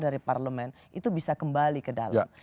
dari parlemen itu bisa kembali ke dalam